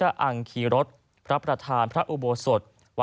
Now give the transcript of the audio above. ที่มีโอกาสได้ไปชม